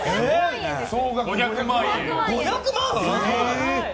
総額５００万円。